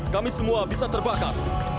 kami semua bisa terbakar